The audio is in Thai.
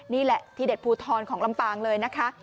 นี่แหละที่เด็ดภูทรของลำปางเลยนะคะ